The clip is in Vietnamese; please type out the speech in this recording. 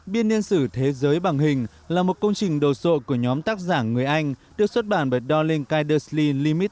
biên niên sử thế giới bằng hình là một công trình đồ sộ của nhóm tác giả người anh được xuất bản bởi darling kydersley limited